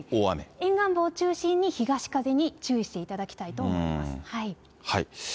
沿岸部を中心に東風に注意をしていただきたいと思います。